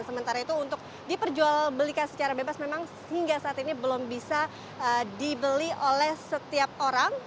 sementara itu untuk diperjual belikan secara bebas memang hingga saat ini belum bisa dibeli oleh setiap orang